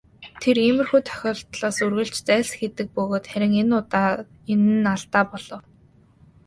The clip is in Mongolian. Тэр иймэрхүү тохиолдлоос үргэлж зайлсхийдэг бөгөөд харин энэ удаа энэ нь алдаа болов.